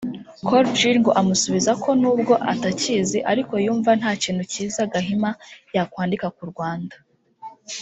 Col Jill ngo amusubiza ko nubwo atakizi ariko yumva nta kintu cyiza Gahima yakwandika ku Rwanda